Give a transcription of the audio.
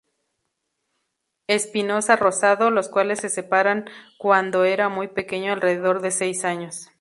Espinosa Rosado, los cuales se separan cuando era muy pequeño, alrededor de seis años.